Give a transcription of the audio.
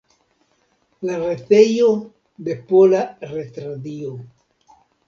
La retejo de Pola Retradio.